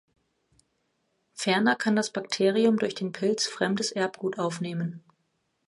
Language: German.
Ferner kann das Bakterium durch den Pilz fremdes Erbgut aufnehmen.